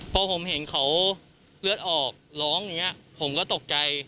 พอผมเห็นเขาเลือดออกร้องอย่างนี้ผมก็ตกใจ